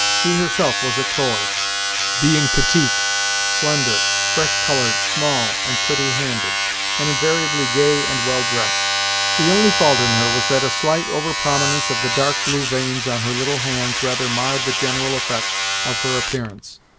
She herself was a "toy" being petite, slender, fresh coloured, small, and pretty handed, and invariably gay and well dressed. The only fault in her was that a slight over prominence of the dark blue veins on her little hands rather marred the general effect of her appearance.